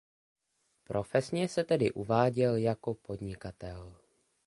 Profesně se tehdy uváděl jako podnikatel.